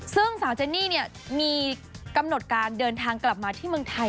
ซึ่งสาวเจนนี่มีกำหนดการเดินทางกลับมาที่เมืองไทย